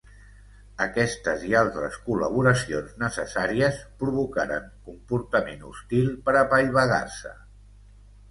Aquestes i altres col·laboracions necessàries provocaren comportament hostil per apaivagar-se.